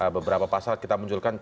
beberapa pasal kita munculkan